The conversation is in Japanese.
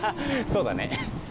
そうだね。